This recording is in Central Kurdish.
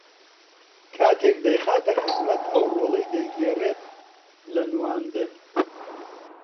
کاتێک دەیخاتە خزمەت ئەو ڕۆڵەی دەیگێڕێت لە نواندن